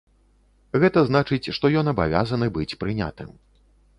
Гэта значыць, што ён абавязаны быць прынятым.